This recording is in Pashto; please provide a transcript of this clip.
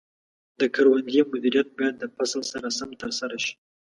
د کروندې مدیریت باید د فصل سره سم ترسره شي.